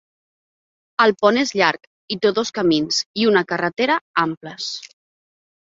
El pont és llarg, i té dos camins i una carretera amples.